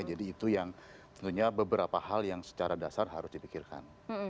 jadi itu yang tentunya beberapa hal yang secara dasar harus dipikirkan